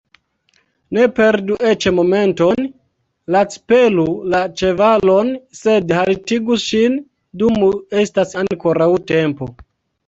Ne perdu eĉ momenton, lacpelu la ĉevalon, sed haltigu ŝin, dum estas ankoraŭ tempo!